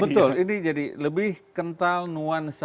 betul ini jadi lebih kental nuansa